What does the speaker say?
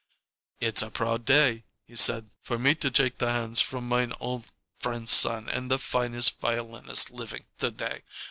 "It's a proud day," he said, "for me to shake the hands from mine old friend's son and the finest violinist livink to day.